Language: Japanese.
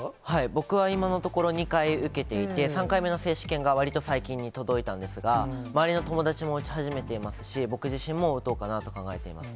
僕は今のところ、２回受けていて、３回目の接種券がわりと最近に届いたんですが、周りの友達も打ち始めていますし、僕自身も打とうかなと考えています。